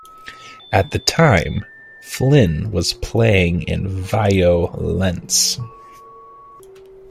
At the time, Flynn was playing in Vio-Lence.